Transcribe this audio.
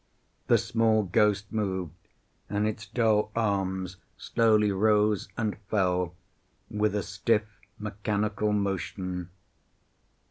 The small ghost moved, and its doll arm slowly rose and fell with a stiff, mechanical motion.